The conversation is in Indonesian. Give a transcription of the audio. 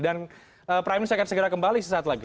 dan prime news akan segera kembali sesaat lagi